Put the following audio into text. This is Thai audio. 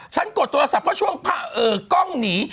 กดโทรศัพท์เพราะช่วงกล้องหนี